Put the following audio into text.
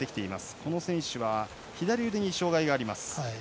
この選手は左腕に障がいがあります。